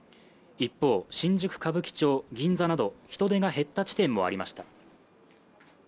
一方、新宿歌舞伎町、銀座など人出が減った地点もありました。